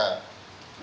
sampai pada akhirnya